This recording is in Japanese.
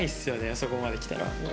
そこまできたら。